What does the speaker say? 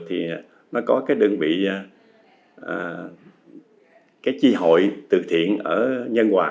thì nó có cái đơn vị cái chi hội từ thiện ở nhân hòa